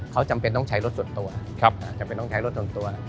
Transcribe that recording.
เขาจำเป็นต้องใช้รถส่วนตัว